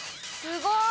すごーい！